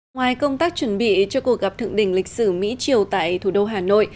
ngoài công tác chuẩn bị cho cuộc gặp thượng đỉnh lịch sử mỹ triều tại thủ đô hà nội